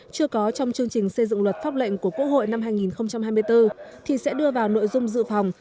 chưa có trong chương trình xây dựng luật pháp lệnh của quốc hội năm hai nghìn hai mươi bốn thì sẽ đưa vào nội dung dự phòng